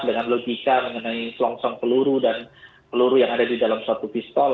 dengan logika mengenai selongsong peluru dan peluru yang ada di dalam suatu pistol